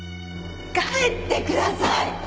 帰ってください！